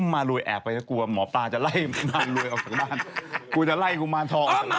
อ๋อม้าเบกปากอีกแล้ว